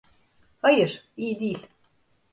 Hayır, iyi değil.